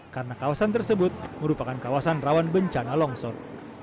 karena kawasan tersebut merupakan kawasan rawan bencana longsor